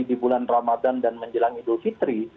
di bulan ramadan dan menjelang idul fitri